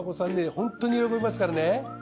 ホントに喜びますからね。